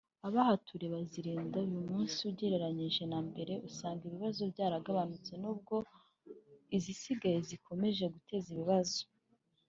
abahaturiye barazirinda…Uyu munsi ugereranyije na mbere usanga ibibazo byaragabanutse nubwo izisigaye zigikomeje guteza ibibazo